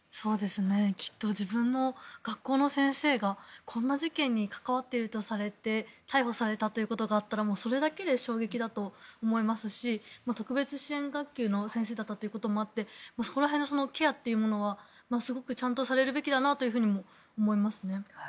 きっと自分の学校の先生がこんな事件に関わっているとされて逮捕されたということがあったらそれだけで衝撃だと思いますし特別支援学級の先生だったということもあってそこら辺のケアというものはすごくちゃんとされるべきだなと思いますね。